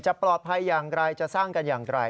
ปลอดภัยอย่างไรจะสร้างกันอย่างไร